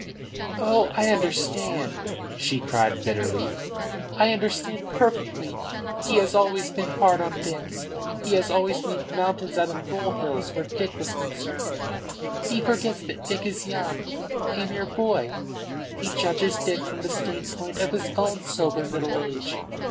"Oh, I understand," she cried bitterly. "I understand perfectly. He has always been hard on Dick! He has always made mountains out of molehills where Dick was concerned. He forgets that Dick is young a mere boy. He judges Dick from the standpoint of his own sober middle age.